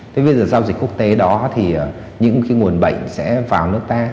thế bây giờ giao dịch quốc tế đó thì những cái nguồn bệnh sẽ vào nước ta